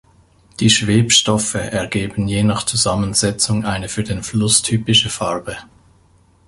Die Schwebstoffe ergeben je nach Zusammensetzung eine für den Fluss typische Farbe.